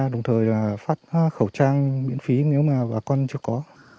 đồng thời là phát khẩu trang miễn phí nếu mà bà con chưa có